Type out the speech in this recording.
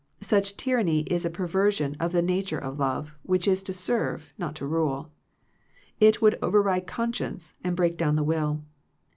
Such tyranny is a perver sion of the nature of love, which is to serve, not to rule. It would override conscience, and break down the will.